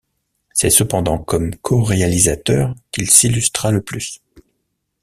C’est cependant comme coréalisateur qu’il s’illustra le plus.